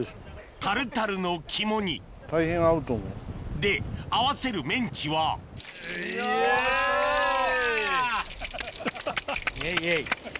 タルタルの肝にで合わせるメンチはイエイイエイ。